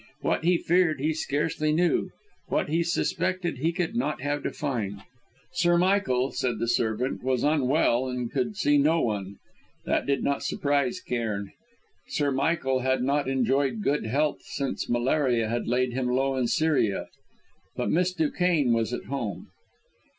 What he feared he scarcely knew; what he suspected he could not have defined. Sir Michael, said the servant, was unwell and could see no one. That did not surprise Cairn; Sir Michael had not enjoyed good health since malaria had laid him low in Syria. But Miss Duquesne was at home.